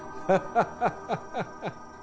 ハハハハッ！